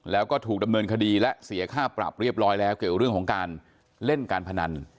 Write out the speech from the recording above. แล้วก็ถูกดำเนินคดีและเสียค่าปรับเรียบร้อยแล้วเกี่ยวเรื่องของการเล่นการพนัน